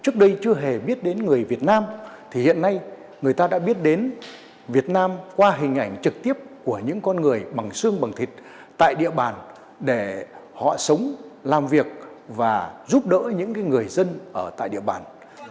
trước đây chưa hề biết đến người việt nam thì hiện nay người ta đã biết đến việt nam qua hình ảnh trực tiếp của những con người bằng xương bằng thịt tại địa bàn để họ sống làm việc và giúp đỡ những người dân ở tại địa bàn